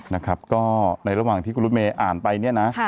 นะครับก็ในระหว่างที่คุณรถเมย์อ่านไปเนี่ยนะ